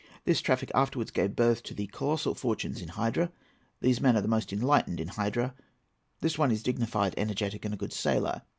This traffic afterwards gave birth to the colossal fortunes in Hydra. These men are the most enlightened in Hydra. This one is dignified, energetic, and a good sailor.